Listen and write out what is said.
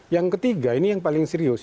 yang ketiga ini yang paling serius